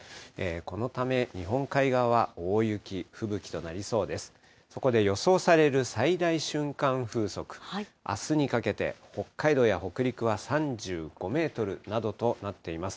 このため、日本海側は大雪、吹雪となりそうです。